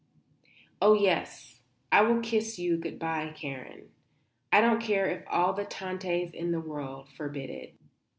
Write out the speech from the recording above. Oh, yes, I will kiss you good bye, Karen. I don't care if all the Tantes in the world forbid it!"